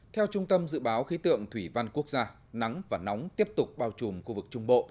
theo trung tâm dự báo khí tượng thủy văn quốc gia nắng và nóng tiếp tục bao trùm khu vực trung bộ